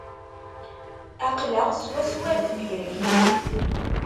Aql-aɣ swaswa deffir-k.